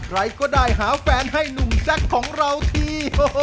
ใครก็ได้หาแฟนให้หนุ่มแจ๊คของเราที